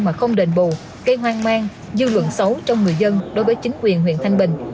mà không đền bù gây hoang mang dư luận xấu trong người dân đối với chính quyền huyện thanh bình